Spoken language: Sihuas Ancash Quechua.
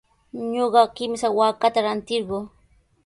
Ñuqa kimsa waakata rantirquu.